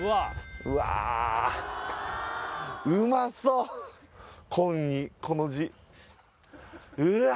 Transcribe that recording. うわうまそう紺にこの字うわ